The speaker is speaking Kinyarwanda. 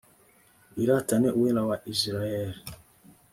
wiratane uwera wa isirayeli